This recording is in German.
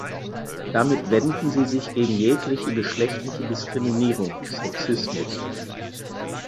Damit wenden sie sich gegen jegliche geschlechtliche Diskriminierung (Sexismus).